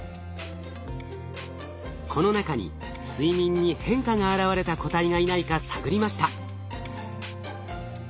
この中に睡眠に変化が現れた個体がいないか探りました。